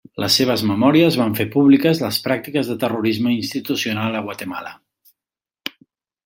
Les seves memòries van fer públiques les pràctiques de terrorisme institucional a Guatemala.